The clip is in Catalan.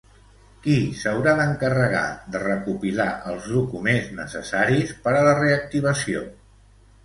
Qui s'haurà d'encarregar de recopilar els documents necessaris per a la reactivació?